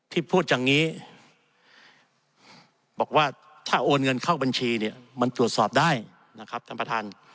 พูดอย่างนี้บอกว่าถ้าโอนเงินเข้าบัญชีเนี่ยมันตรวจสอบได้นะครับท่านประธาน